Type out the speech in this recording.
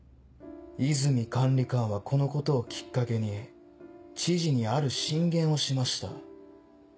和泉管理官はこのことをきっかけに知事にある進言をしました。